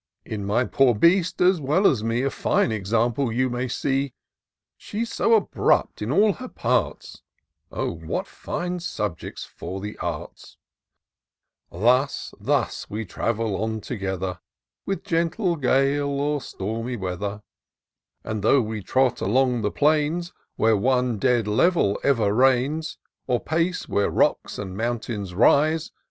In my poor beast, as weU as me, A fine example you may see ; She's so abrupt in all her parts — Oh, what fine subjects for the arts ! Thus, thus we travel on together. With gentle gale or stormy weather ; And, though we trot along the plains, Where one dead level ever reigns. Or pace where rocks and mountains rise.